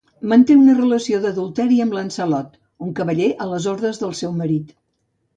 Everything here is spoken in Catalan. Manté una relació d'adulteri amb Lancelot, un cavaller a les ordres del seu marit.